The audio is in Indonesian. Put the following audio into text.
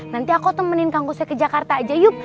nanti aku temenin kang kushoi ke jakarta aja yuk